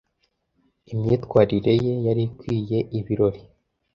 Imyitwarire ye yari ikwiriye ibirori.